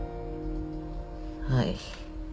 はい。